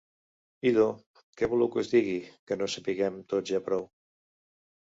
Idò, què voleu que us en digui que no sapiguem tots ja prou?